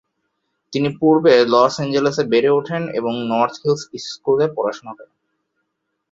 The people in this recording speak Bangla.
তিনি পূর্ব লস এঞ্জেলেসে বেড়ে ওঠেন এবং নর্থ হিলস স্কুলে পড়াশোনা করেন।